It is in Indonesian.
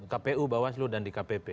kpu bawah seluruh dan di kpp